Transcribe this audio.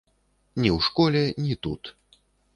Ні ў школе, ні тут.